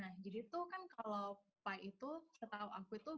nah jadi itu kan kalau pipa itu setahu aku itu